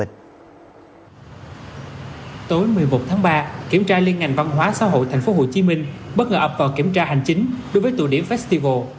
tối một mươi một tháng ba kiểm tra liên ngành văn hóa xã hội tp hcm bất ngờ ập vào kiểm tra hành chính đối với tụ điểm festival